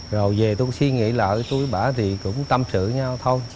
rồi về tôi suy nghĩ lại tôi với bà thì cũng tâm sự nhau thôi